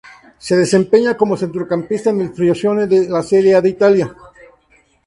Se desempeña como centrocampista en el Frosinone de la Serie A de Italia.